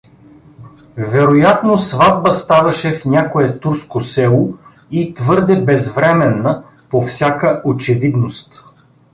Вероятно, сватба ставаше в някое турско село и твърде безвременна, по всяка очевидност.